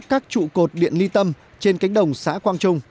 các trụ cột điện ly tâm trên cánh đồng xã quang trung